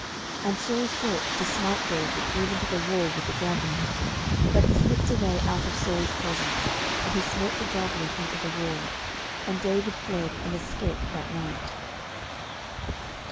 09:019:010 And Saul sought to smite David even to the wall with the javelin: but he slipped away out of Saul's presence, and he smote the javelin into the wall: and David fled, and escaped that night.